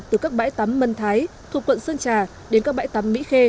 từ các bãi tắm mân thái thuộc quận sơn trà đến các bãi tắm mỹ khê